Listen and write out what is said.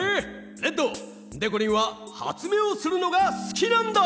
レッドでこりんは発明をするのがすきなんだ！